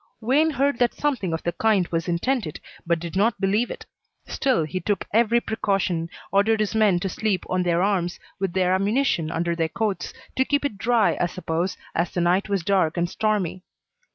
"Wayne heard that something of the kind was intended, but did not believe it. Still, he took every precaution; ordered his men to sleep on their arms with their ammunition under their coats to keep it dry I suppose, as the night was dark and stormy.